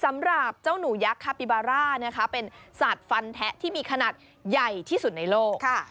สำหรับเจ้าหนูยักษ์คาปิบาร่านะคะเป็นสัตว์ฟันแทะที่มีขนาดใหญ่ที่สุดในโลก